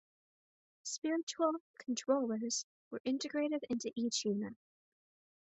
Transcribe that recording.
Spiritual "controllers" were integrated into each unit.